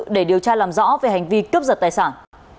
để điều tra làm rõ về hành vi cướp giật tài sản